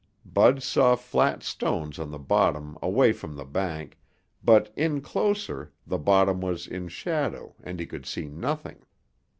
Bud saw flat stones on the bottom away from the bank, but in closer the bottom was in shadow and he could see nothing.